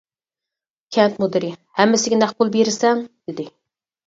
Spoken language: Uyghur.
كەنت مۇدىرى: «ھەممىسىگە نەق پۇل بېرىسەن» دېدى.